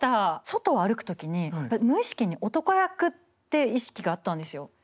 外を歩く時に無意識に男役って意識があったんですよ。